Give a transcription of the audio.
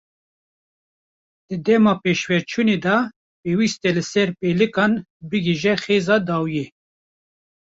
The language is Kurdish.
Di dema pêşveçûnê de pêwîst e li ser pêlikan bighêje xêza dawiyê.